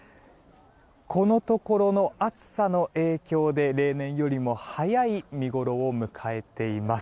このところの暑さの影響で例年よりも早い見ごろを迎えています。